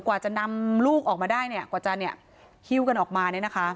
กว่าจะนำลูกออกมาได้จะฮิ้วกันออกมา